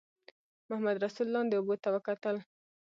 محمدرسول لاندې اوبو ته وکتل.